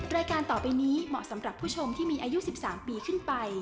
รายการต่อไปนี้เหมาะสำหรับผู้ชมที่มีอายุ๑๓ปีขึ้นไป